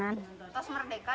jadi kamu merdeka